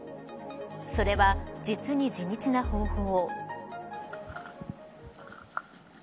それは実に地道な方法。